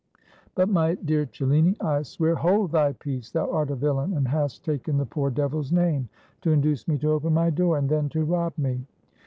"But, my dear Cellini, I swear —" "Hold thy peace! thou art a villain, and hast taken the poor devil's name to induce me to open my door, and then to rob me."